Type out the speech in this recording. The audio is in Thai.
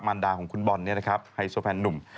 มารดาของคุณบอลเนี่ยนะครับไฮโซแฟนหนุ่ม